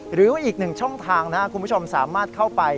หรือว่าอีกหนึ่งช่องทางนะครับคุณผู้ชมสามารถเข้าไป